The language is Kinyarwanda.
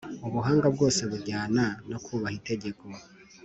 ubuhanga bwose bujyana no kubaha itegeko.